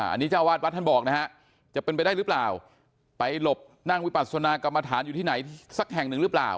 อันนี้เจ้าวาดวัดท่านบอกนะฮะจะเป็นไปได้หรือเปล่าไปหลบนั่งวิปัสนากรรมฐานอยู่ที่ไหนสักแห่งหนึ่งหรือเปล่า